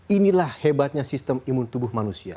inilah hebatnya sistem imun tubuh manusia